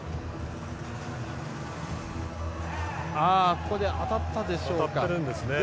ここで当たったでしょうか。